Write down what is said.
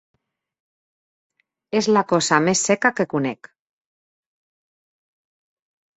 És la cosa més seca que conec.